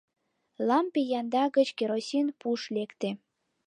Лампе янда гыч керосин пуш лекте.